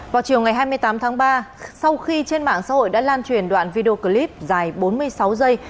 vào chiều ngày hai mươi tám tháng ba sau khi trên mạng xã hội đã lan truyền đoạn video clip dài bốn mươi sáu giây